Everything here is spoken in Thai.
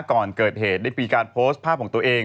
ก่อนเกิดเหตุได้มีการโพสต์ภาพของตัวเอง